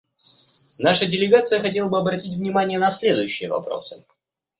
Наша делегация хотела бы обратить внимание на следующие вопросы.